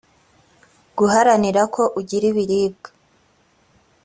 guharanira ko ugira ibiribwa